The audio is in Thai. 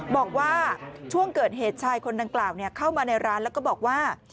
บอกว่าช่วงเกิดเหตุชายคนดังกล่าวเข้ามาในร้านแล้วก็บอกว่า